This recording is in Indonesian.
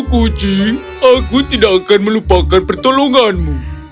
kucing aku tidak akan melupakan pertolonganmu